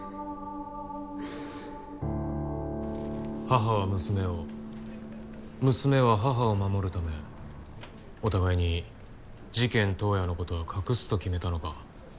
母は娘を娘は母を守るためお互いに事件当夜のことは隠すと決めたのか。